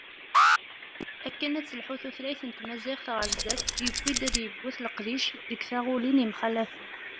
Akken ad telḥu tutlayt n tmaziɣt ɣer sdat, yewwi-d ad yaget leqdic deg taɣulin yemxalafen.